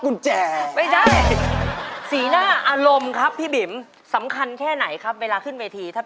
ขอเชิญพี่บิ๋มเลยครับมามานี่มา